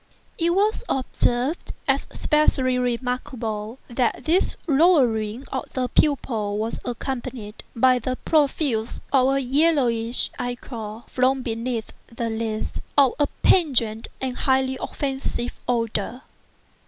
It was observed, as especially remarkable, that this lowering of the pupil was accompanied by the profuse out flowing of a yellowish ichor (from beneath the lids) of a pungent and highly offensive odor.